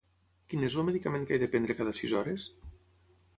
Quin és el medicament que he de prendre cada sis hores?